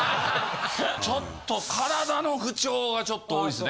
ちょっと体の不調が多いですね。